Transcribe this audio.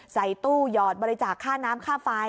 ใส่ตู้หยอดบริจาคค่าน้ำค่าไฟ